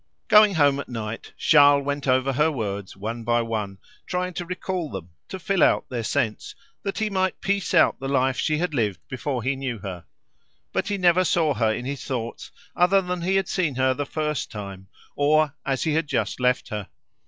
Going home at night, Charles went over her words one by one, trying to recall them, to fill out their sense, that he might piece out the life she had lived before he knew her. But he never saw her in his thoughts other than he had seen her the first time, or as he had just left her.